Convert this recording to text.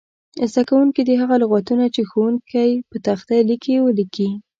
زده کوونکي دې هغه لغتونه چې ښوونکی په تخته لیکي ولیکي.